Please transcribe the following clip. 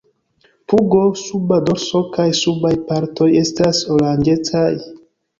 Pugo, suba dorso kaj subaj partoj estas oranĝecaj.